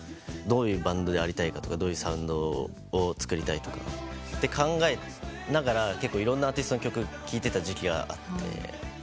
どういうバンドでありたいかとかどういうサウンドを作りたいとかって考えながら結構いろんなアーティストの曲聴いてた時期があって。